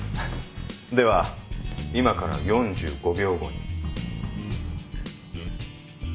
では今から４５秒後に。